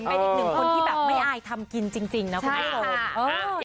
คุณเป็นอีกคนที่ไม่อายทำกินจริงนะคุณผู้ชม